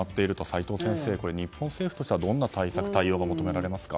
齋藤先生、日本政府としてはどんな対策や対応が求められますか？